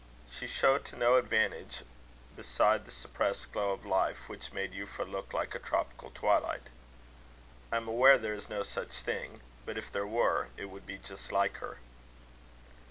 She showed to no advantage beside the suppressed glow of life which made Euphra look like a tropical twilight I am aware there is no such thing, but if there were, it would be just like her.